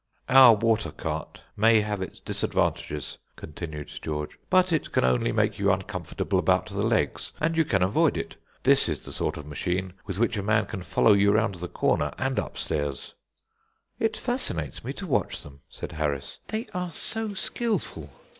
"Our water cart may have its disadvantages," continued George, "but it can only make you uncomfortable about the legs, and you can avoid it. This is the sort of machine with which a man can follow you round the corner and upstairs." "It fascinates me to watch them," said Harris. "They are so skilful.